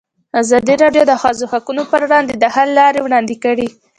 ازادي راډیو د د ښځو حقونه پر وړاندې د حل لارې وړاندې کړي.